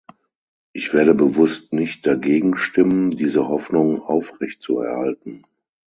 Ich werde bewusst nicht dagegen stimmen, diese Hoffnung aufrechtzuerhalten.